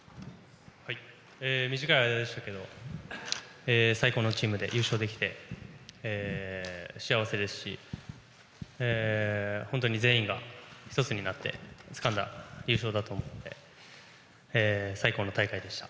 短い間でしたけど最高のチームで優勝できて幸せですし本当に全員が１つになってつかんだ優勝だと思うので最高の大会でした。